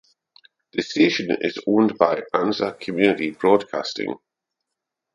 The station is owned by Anza Community Broadcasting.